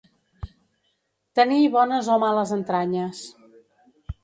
Tenir bones o males entranyes.